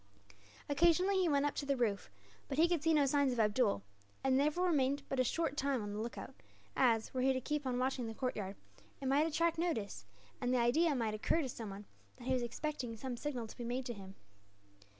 Occasionally he went up to the roof, but he could see no signs of Abdool; and therefore remained but a short time on the lookout as, were he to keep on watching the courtyard, it might attract notice, and the idea might occur to someone that he was expecting some signal to be made to him.